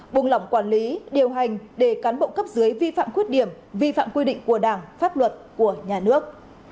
buông lỏng quản lý điều hành để cán bộ cấp dưới vi phạm khuyết điểm vi phạm quy định của đảng pháp luật của nhà nước